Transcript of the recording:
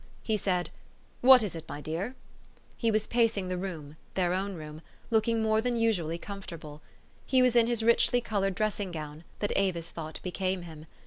He said, " What is it, my dear? " He was pacing the room, their own room, looking more than usually comfortable. He was in his richly colored dressing gown, that Avis thought became him.